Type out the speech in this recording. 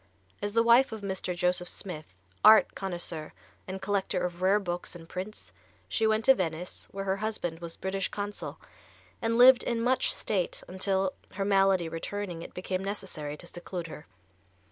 As the wife of Mr. Joseph Smith, art connoisseur and collector of rare books and prints, she went to Venice, where her husband was British Consul, and lived in much state until, her malady returning, it became necessary to seclude her.